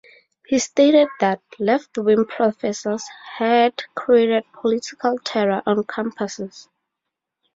He stated that "left-wing professors" had created "political terror" on campuses.